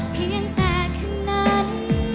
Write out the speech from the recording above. เพียงแต่คืนนั้น